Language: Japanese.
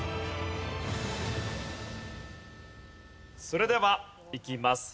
それではいきます。